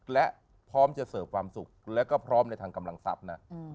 และพร้อมจะเสิร์ฟความสุขแล้วก็พร้อมในทางกำลังทรัพย์นะ